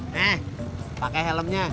nih pakai helmnya